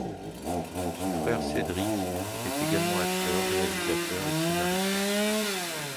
Son frère Cédric est également acteur, réalisateur et scénariste.